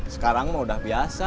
sekarang mau udah biasa